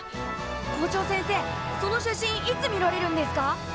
校長先生その写真いつ見られるんですか？